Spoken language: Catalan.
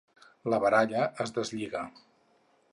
La baralla es deslliga.